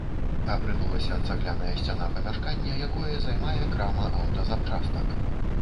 Абрынулася цагляная сцяна памяшкання, якое займае крама аўтазапчастак.